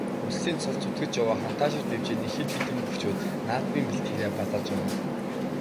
Улсын цолд зүтгэж яваа Хантайшир дэвжээний хэд хэдэн бөхчүүд наадмын бэлтгэлээ базааж байгаа.